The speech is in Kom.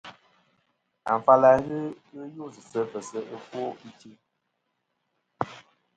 Afal a ghɨ ghɨ us sɨ fɨsi ɨfwo ichɨ.